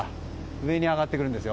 上に上がってくるんですよ。